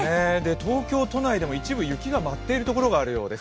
東京都内でも一部、雪が舞っている所があるようです。